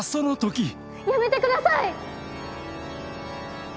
・やめてください！